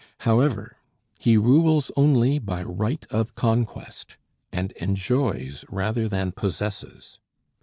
However, he rules only by right of conquest, and enjoys rather than possesses.